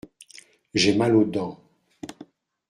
J’ai mal aux dents.